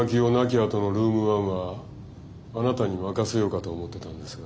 あとのルーム１はあなたに任せようかと思ってたんですが。